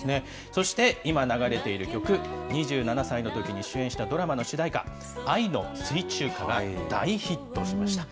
そして、今流れている曲、２７歳のときに主演したドラマの主題歌、愛の水中花が大ヒットしました。